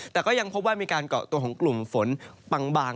แต่ก็ยังพบว่ามีการเกาะตัวของกลุ่มฝนบาง